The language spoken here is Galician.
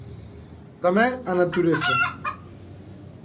Tamén a natureza.